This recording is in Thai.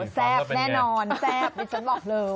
เซฟแน่นอนเซฟเหมือนฉันบอกเลย